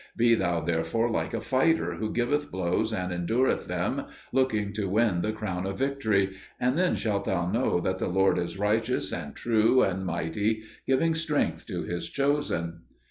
Be thou therefore like a fighter who giveth blows and endureth them, looking to win the crown of victory; and then shalt thou know that the Lord is righteous, and true, and mighty, giving strength to His chosen."